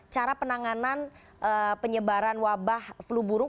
cara penanganan penyebaran wabah flu burung